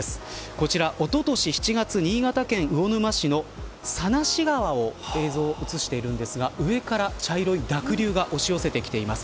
こちら、おととし７月新潟県、魚沼市の佐梨川を映像が映しているんですが上から茶色い濁流が押し寄せてきています。